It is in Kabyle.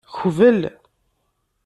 Kbel.